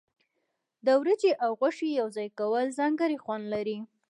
د وریجې او غوښې یوځای کول ځانګړی خوند لري.